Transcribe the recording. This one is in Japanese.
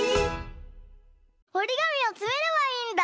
おりがみをつめればいいんだ。